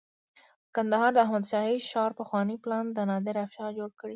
د کندهار د احمد شاهي ښار پخوانی پلان د نادر افشار جوړ کړی